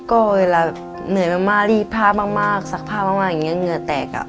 ก็เวลาแบบเหนื่อยมากรีดผ้ามากซักผ้ามากอย่างนี้เหงื่อแตกอ่ะ